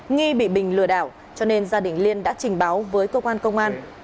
nghi bị bình lừa đảo cho nên gia đình liên đã trình báo với cơ quan công an